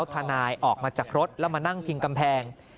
ทนายออกมาจากรถแล้วมานั่งพิงกำแพง